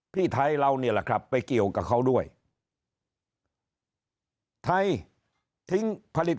ไทยเรานี่แหละครับไปเกี่ยวกับเขาด้วยไทยทิ้งผลิต